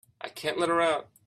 I can't let her out.